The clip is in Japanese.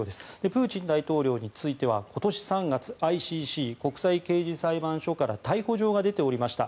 プーチン大統領については今年３月ＩＣＣ・国際刑事裁判所から逮捕状が出ておりました。